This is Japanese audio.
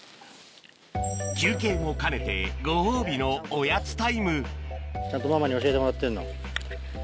休憩も兼ねてご褒美のおやつタイムちゃんとママに教えてもらってるの。